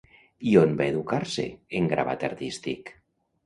I on va educar-se en gravat artístic?